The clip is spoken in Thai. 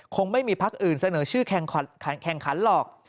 คงไม่มีพักอื่นเสนอชื่อแข่งขันหรอก